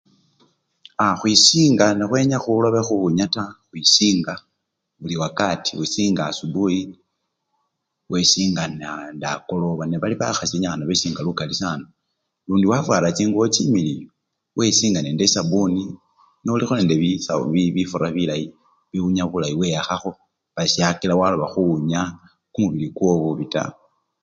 Aaa khwisinga nekhwenye khuloba khuwunya taa, khwisinga buliwakati, wisinga asubuyi, wesinga ne-akoloba, nebali bakhasi benyikhana besinga lukali sana lundi wafwara chingubo chimiliyu, wesinga nende esabuni nolikho nende bisawu-bifura bilayi biwunya bulayi weyakhakho neshakila waloba khuwunya kumubili kwowo bubi taa